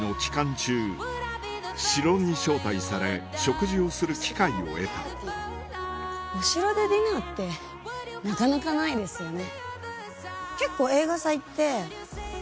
中城に招待され食事をする機会を得たお城でディナーってなかなかないですよね。